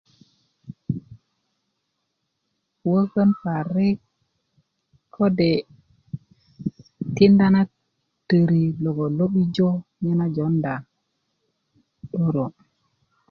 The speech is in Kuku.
wökö parik' kode' tikinda na töri logon lo 'bijo joonda 'doro'